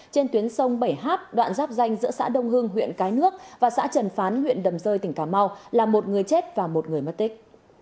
trên tuyến sông bảy h đoạn giáp danh giữa xã đông hưng huyện cái nước và xã trần phán huyện đầm rơi tỉnh cà mau là một người chết và một người mất tích